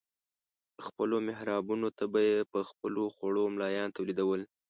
خپلو محرابونو ته به یې په خپلو خوړو ملایان تولیدول.